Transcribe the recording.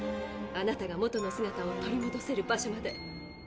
あなたが元の姿を取りもどせる場所まで。